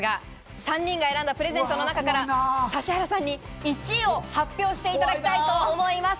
３人が選んだプレゼントの中から指原さんに１位を発表していただきたいと思います。